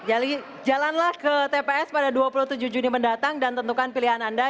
jadi jalanlah ke tps pada dua puluh tujuh juni mendatang dan tentukan pilihan anda